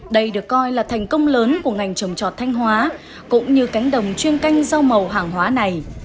đây được coi là thành công lớn của ngành trồng trọt thanh hóa cũng như cánh đồng chuyên canh rau màu hàng hóa này